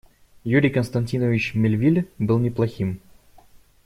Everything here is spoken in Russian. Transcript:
Юрий Константинович Мельвиль был неплохим.